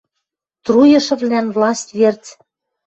– Труйышывлӓн власть верц!